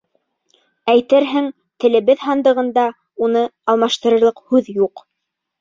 Әйтерһең, телебеҙ һандығында уны алмаштырырлыҡ һүҙ юҡ.